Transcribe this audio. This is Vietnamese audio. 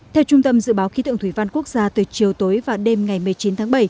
theo trung tâm dự báo khí tượng thủy văn quốc gia từ chiều tối và đêm ngày một mươi chín tháng bảy